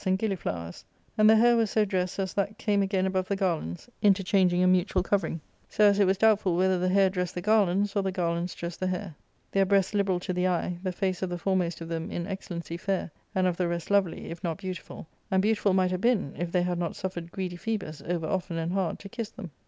— Massinger, Great Duke of Florence, i. i. y ./ y 248 ARCADIA. ^Book ItL of roses and giUiflowers, and the hair was so dressed as that came again above the garlands, interchanging a mutual covering ; so as it was doubtful whether the hair dressed the garlands or the garlands dressed the hair. Their breasts liberal to the eye, the face of the foremost of them in excel lency fair, and of the rest lovely, if not beautiful ; and beau tiful might have been, if they had not suffered greedy Phoebus, over often and hard, to kiss them.